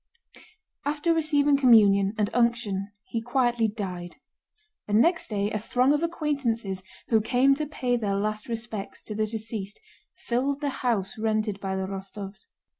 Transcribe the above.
After receiving communion and unction he quietly died; and next day a throng of acquaintances who came to pay their last respects to the deceased filled the house rented by the Rostóvs.